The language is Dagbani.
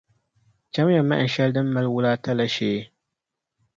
Cham ya mahim shɛli din mali wula ata la shee.